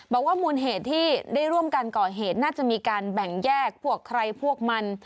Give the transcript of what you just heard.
มูลเหตุที่ได้ร่วมกันก่อเหตุน่าจะมีการแบ่งแยกพวกใครพวกมัน